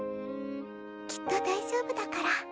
きっと大丈夫だから。